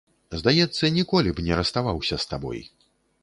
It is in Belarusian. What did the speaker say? Здаецца, ніколі б не расставаўся з табой.